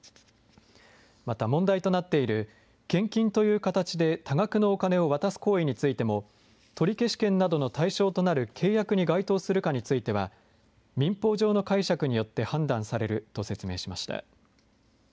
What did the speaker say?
また問題となっている、献金という形で多額のお金を渡す行為についても、取消権などの対象となる契約に該当するかについては、民法上の解釈によって判断されると説明しました。